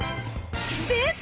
出た！